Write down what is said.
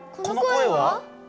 この声は？